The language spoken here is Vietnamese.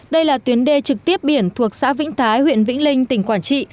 đây là tuyến đê trực tiếp biển thuộc xã vĩnh thái huyện vĩnh linh tỉnh quảng trị